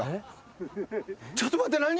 ちょっと待って何？